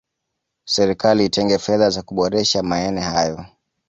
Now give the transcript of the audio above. serikali itenge fedha za kuboresha maene hayo